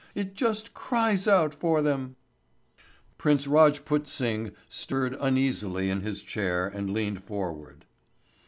It just cries out for them." Prince Rajput Singh stirred uneasily in his chair and leaned forward.